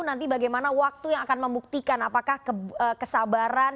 jadi bagaimana waktu yang akan membuktikan apakah kesabaran